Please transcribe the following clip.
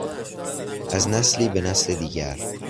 از نسلی به نسل دیگر